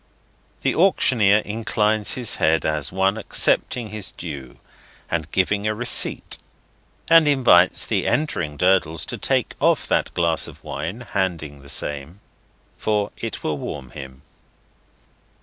The auctioneer inclines his head, as one accepting his due and giving a receipt; and invites the entering Durdles to take off that glass of wine (handing the same), for it will warm him.